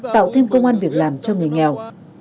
tạo thêm công an việc làm cho người nghèo